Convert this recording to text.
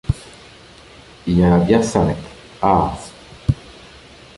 Il y en a bien cinq. — Ah !